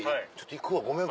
行くわごめん。